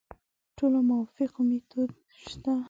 ټولو موافق میتود شته.